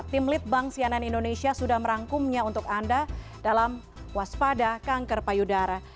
tim litbang sianan indonesia sudah merangkumnya untuk anda dalam waspada kanker payudara